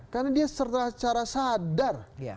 karena dia secara sadar